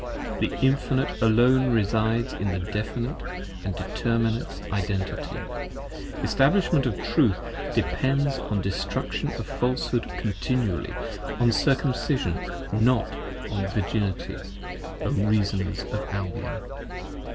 The Infinite alone resides in Definite & Determinate Identity, 65 Establishment of Truth depends on destruction of Falshood continually, On Circumcision: not on Virginity, O Reasoners of Albion!